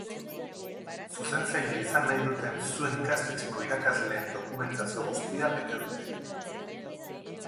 Zuzentzaile izan nahi duten zuen ikastetxeko irakasleen dokumentazio guztia bete dute.